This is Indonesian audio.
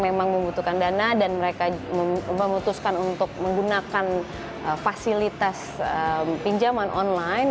memang membutuhkan dana dan mereka memutuskan untuk menggunakan fasilitas pinjaman online